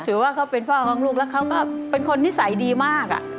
ถือว่าเขาเป็นพ่อของลูกแล้วเขาก็เป็นคนนิสัยดีมาก